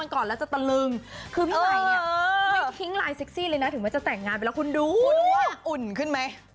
คุณว่าอุ่นขึ้นมั้ย